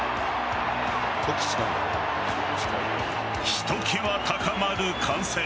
ひときわ高まる歓声。